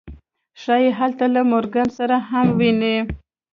ښایي هلته له مورګان سره هم وویني